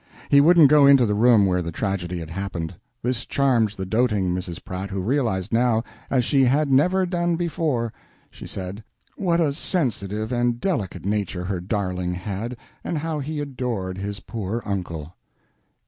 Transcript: He wouldn't go into the room where the tragedy had happened. This charmed the doting Mrs. Pratt, who realized now, "as she had never done before," she said, what a sensitive and delicate nature her darling had, and how he adored his poor uncle.